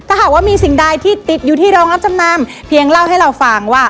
ถ้าหากว่ามีสิ่งใดที่ติดอยู่ที่โรงรับจำนำเพียงเล่าให้เราฟังว่า